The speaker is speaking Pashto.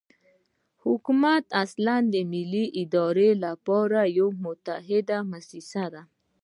حکومت اصلاً د ملي ادارې لپاره یوه متحده موسسه ده.